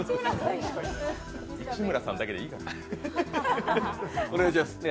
市村さんだけでいいのよ。